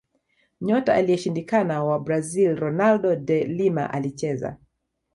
nyota aliyeshindikana wa brazil ronaldo de lima alicheza